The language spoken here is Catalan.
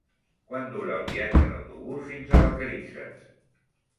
Quant dura el viatge en autobús fins a Vacarisses?